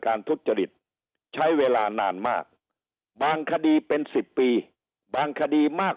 ทุจริตใช้เวลานานมากบางคดีเป็น๑๐ปีบางคดีมาก